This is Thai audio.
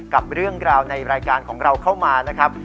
กับเรื่องราวในรายการของเราเข้ามานะครับ